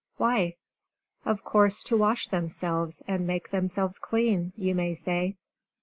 Why? "Of course to wash themselves, and make themselves clean," you may say.